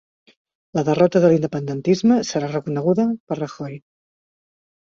La derrota de l'independentisme serà reconeguda per Rajoy